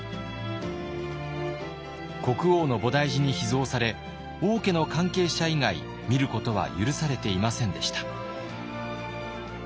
国王の菩提寺に秘蔵され王家の関係者以外見ることは許されていませんでした。